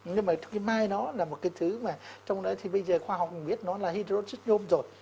nhưng mà cái mai nó là một cái thứ mà trong đấy thì bây giờ khoa học mình biết nó là hydroxyclob rồi